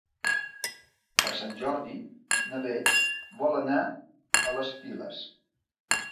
Per Sant Jordi na Beth vol anar a les Piles.